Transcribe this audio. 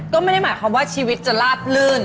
ก็ไม่ได้หมายความว่าชีวิตจะลาบลื่น